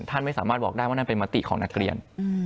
ท่านไม่สามารถบอกได้ว่านั่นเป็นมติของนักเรียน